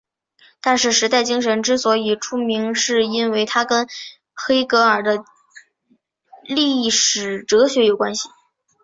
但是时代精神之所以出名是因为它跟黑格尔的历史哲学有关系。